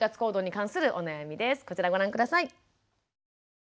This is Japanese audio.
こちらご覧下さい。